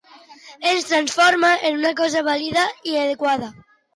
Es transforma en una cosa vàlida i adequada?